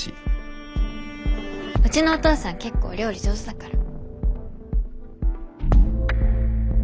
うちのお父さん結構料理上手だから。